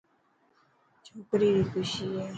ڇوڪري ري خوشي هي.